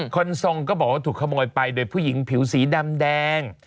คนทรงก็บอกว่าถูกขโมยไปโดยผู้หญิงผิวสีดำแดง